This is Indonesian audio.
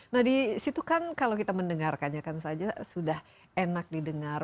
nah disitu kan kalau kita mendengarkannya kan saja sudah enak didengar